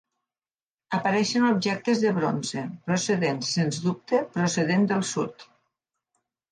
Apareixen objectes de bronze, procedents sens dubte procedent del sud.